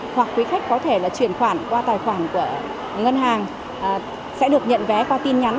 hoặc quý khách có thể là chuyển khoản qua tài khoản của ngân hàng sẽ được nhận vé qua tin nhắn